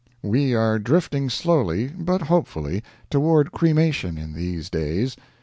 We are drifting slowly but hopefully toward cremation in these days.